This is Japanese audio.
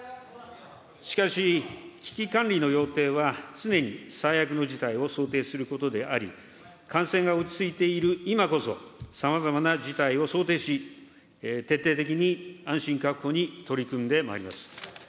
しかし、危機管理の要点は、常に最悪の事態を想定することであり、感染が落ち着いている今こそ、さまざまな事態を想定し、徹底的に安心確保に取り組んでまいります。